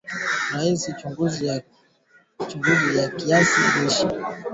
rangi chungwa ya kiazi lishe inapatikana kweneye beta karotini